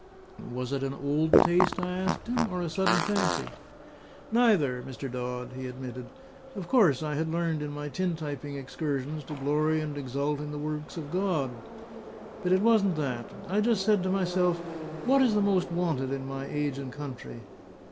"Was it an old taste?" I asked him, "or a sudden fancy?" "Neither, Mr. Dodd," he admitted. "Of course I had learned in my tin typing excursions to glory and exult in the works of God. But it wasn't that. I just said to myself, What is most wanted in my age and country?